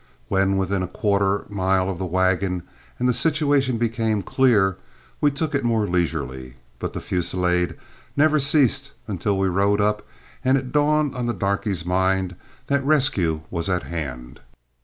When within a quarter mile of the wagon and the situation became clear, we took it more leisurely, but the fusillade never ceased until we rode up and it dawned on the darky's mind that rescue was at hand.